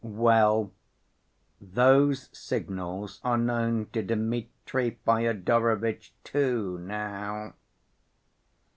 Well, those signals are known to Dmitri Fyodorovitch too, now."